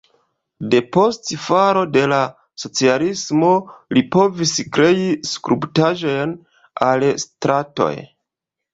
Depost falo de la socialismo li povis krei skulptaĵojn al stratoj.